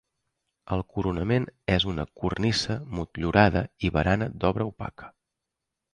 El coronament és una cornisa motllurada i barana d'obra opaca.